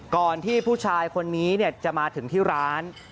ก่อนที่ผู้ชายคนนี้จะมาถึงที่ร้าน